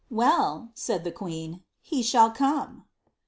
"' Well.' aaiJ Uie queen, ' he shall come.'